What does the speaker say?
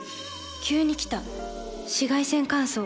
急に来た紫外線乾燥。